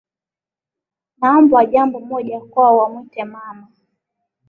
Akaomba jambo moja kwao wamwite Mama